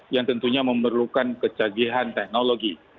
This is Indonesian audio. yang tentunya memerlukan kecagihan teknologi